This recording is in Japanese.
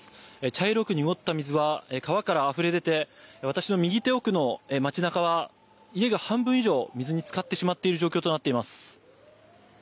茶色く濁った水は川からあふれ出て私の右手奥の街中は家が半分以上水に浸かってしまっている状況です。